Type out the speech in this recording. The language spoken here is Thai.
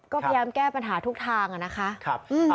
ก็พยายามแก้ปัญหาทุกทางอะนะคะ